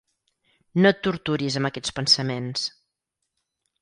No et torturis amb aquests pensaments.